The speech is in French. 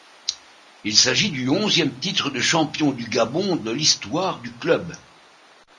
Il s’agit du onzième titre de champion du Gabon de l’histoire du club.